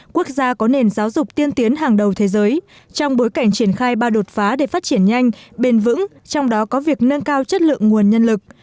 quốc gia có nền giáo dục tiên tiến hàng đầu thế giới trong bối cảnh triển khai ba đột phá để phát triển nhanh bền vững trong đó có việc nâng cao chất lượng nguồn nhân lực